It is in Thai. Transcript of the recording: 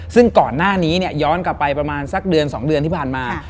ซึ่งก่อนหน้านี้ย้อนกลับไปประมาณสักเดือน๒เดือนที่ผ่านมา